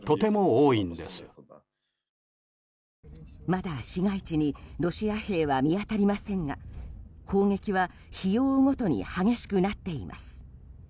まだ市街地にロシア兵は見当たりませんが砲撃は日を追うごとに激しくなっています。